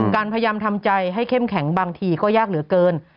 พยายามทำใจให้เข้มแข็งบางทีก็ยากเหลือเกิน